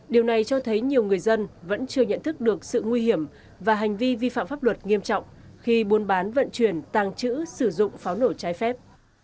điều này cho thấy nhiều người dân vẫn chưa nhận thức được sự nguy hiểm và hành vi vi phạm pháp luật nghiêm trọng khi buôn bán vận chuyển tàng trữ sử dụng pháo nổ trái phép